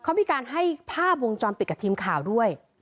เขามีการให้ภาพวงจรปิดกับทีมข่าวด้วย